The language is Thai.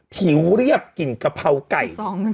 ผิวเรียบกลิ่นกะเพราไก่